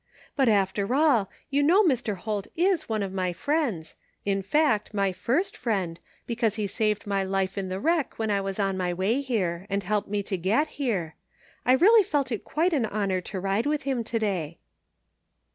But, after all, you know Mr. Holt is one of my friends, in fact my first friend, because he saved my life in the wreck^ when I was on my way here, and helped me to get here. I really felt it quite an honor to ride with him to day.'